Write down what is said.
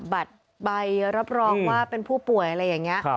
บัตรใบรับรองว่าเป็นผู้ป่วยอะไรอย่างนี้